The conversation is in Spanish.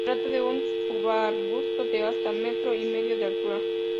Se trata de un subarbusto de hasta metro y medio de altura.